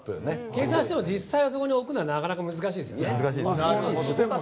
計算しても実際にそこに置くのはなかなか難しいですよね。